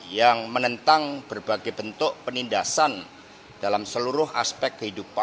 yang menentang berbagai bentuk penindasan dalam seluruh aspek kehidupan